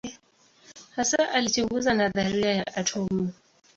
Hasa alichunguza nadharia ya atomu.